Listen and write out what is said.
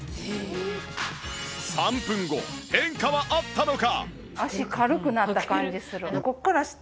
３分後変化はあったのか？